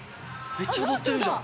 めっちゃ踊ってるじゃん。